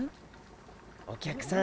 お客さん